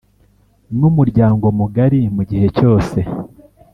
n umuryango mugari mu gihe cyose